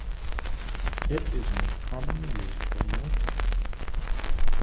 It is most commonly used for melting.